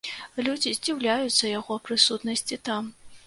Людзі здзіўляюцца яго прысутнасці там.